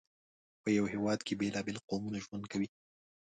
په یو هېواد کې بېلابېل قومونه ژوند کوي.